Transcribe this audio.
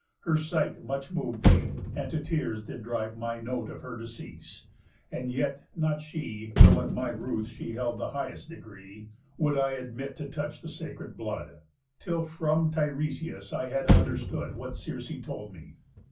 Her sight much mov'd me, and to tears did drive My note of her decease; and yet not she (Though in my ruth she held the high'st degree) Would I admit to touch the sacred blood, Till from Tiresias I had understood What Circe told me.